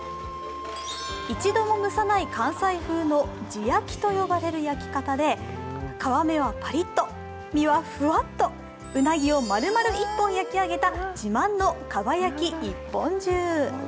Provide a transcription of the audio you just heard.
一度も蒸さない関西風の地焼きと呼ばれる焼き方で皮目はパリッと、身はふわっと、うなぎを丸々１本焼き上げた自慢の蒲焼き一本重。